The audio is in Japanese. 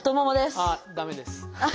ああ駄目です。